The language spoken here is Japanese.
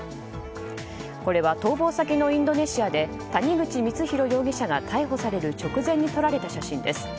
これは逃亡先のインドネシアで谷口光弘容疑者が逮捕される直前に撮られた写真です。